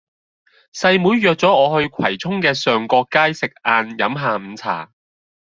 細妹約左我去葵涌嘅上角街食晏飲下午茶